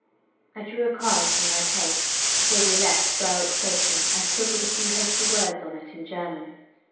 I drew a card from my case before we left Berwick station, and scribbled a few hasty words on it in German.